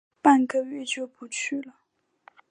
半个月就不去了